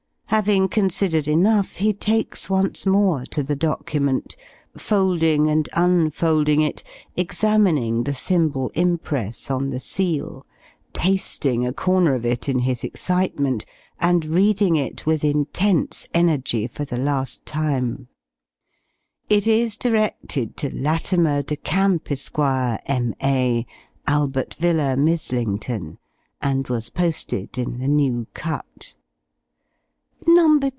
Having considered enough, he takes once more to the document, folding and unfolding it, examining the thimble impress on the seal, tasting a corner of it in his excitement, and reading it with intense energy for the last time: it is directed to "Latimer de Camp, Esq., M.A., Albert Villa, Mizzlington;" and was posted in the New Cut: No.